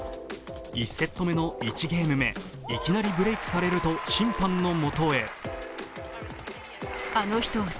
１セット目の１ゲーム目、いきなりブレークされると審判のもとへ。